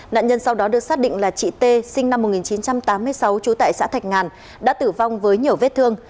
nạn nhân sau đó được xác định là chị t sinh năm một nghìn chín trăm tám mươi sáu trú tại xã thạch ngàn đã tử vong với nhiều vết thương